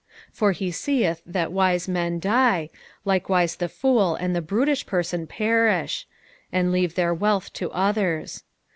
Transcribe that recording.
10 For he seeth tliat wise men die, likewise the fool and the brutish person perish, and leave their wealth to others.